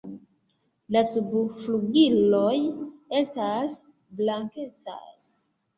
La subflugiloj estas blankecaj.